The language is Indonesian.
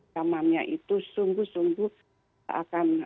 zamannya itu sungguh sungguh akan